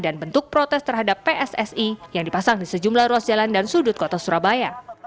dan bentuk protes terhadap pssi yang dipasang di sejumlah ruas jalan dan sudut kota surabaya